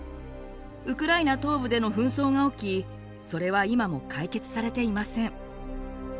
ウクライナ東部での紛争が起きそれは今も解決されていません。